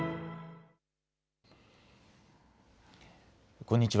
こんにちは。